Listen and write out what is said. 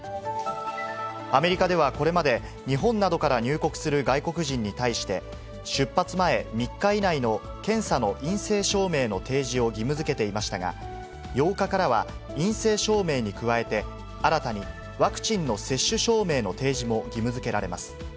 アメリカではこれまで、日本などから入国する外国人に対して、出発前３日以内の検査の陰性証明の提示を義務づけていましたが、８日からは、陰性証明に加えて、新たにワクチンの接種証明の提示も義務づけられます。